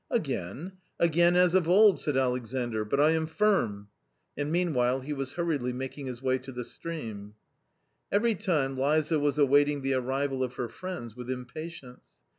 " Again ! again as of old !" said Alexandr, " but I am firm !" and meanwhile he was hurriedly making his way to the stream. Every time Liza was awaiting the arrival of her friends with impatience.